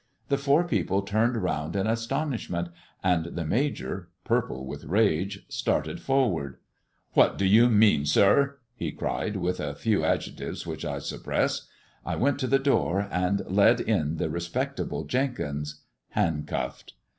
The four people turned round in astonishment, and the Major, purple with rage, started forward. " What do you mean, sir 1 " he cried, with a few adjec tives which I suppress. I went to the door and led in the respectable Jenkins — handcuffed.